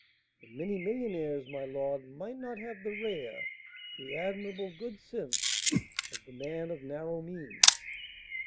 "And many millionaires, my lord, might not have the rare, the admirable good sense, of the man of narrow means."